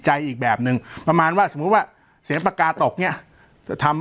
อีกแบบหนึ่งประมาณว่าสมมุติว่าเสียงปากกาตกเนี่ยจะทำ